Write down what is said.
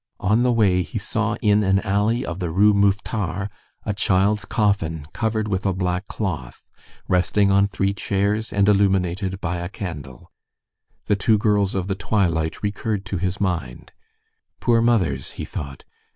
On the way, he saw in an alley of the Rue Mouffetard, a child's coffin, covered with a black cloth resting on three chairs, and illuminated by a candle. The two girls of the twilight recurred to his mind. "Poor mothers!" he thought.